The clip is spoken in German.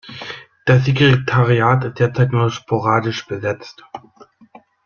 Das Sekretariat ist derzeit nur sporadisch besetzt.